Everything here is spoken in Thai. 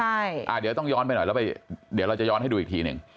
เดี๋ยวต้องย้อนไปหน่อยแล้วเดี๋ยวเราจะย้อนให้ดูอีกทีหนึ่ง